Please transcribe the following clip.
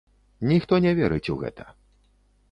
Ніхто не верыць у гэта.